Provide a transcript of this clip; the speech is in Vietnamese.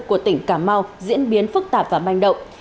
của tỉnh cà mau diễn biến phức tạp và manh động